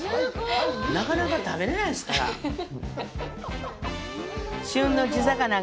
なかなか食べれないですから。